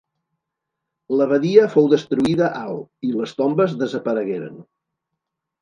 L'abadia fou destruïda al i les tombes desaparegueren.